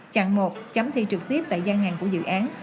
chặn một chấm thi trực tiếp tại gian hàng của dự án